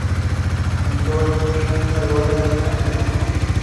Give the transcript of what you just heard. Tarabya is remembered for his progeny.